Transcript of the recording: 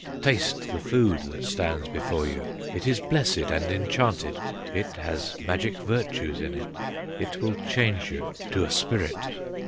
"'Taste the food that stands before you: It is blessed and enchanted, It has magic virtues in it, It will change you to a spirit.